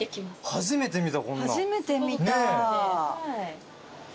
初めて見た。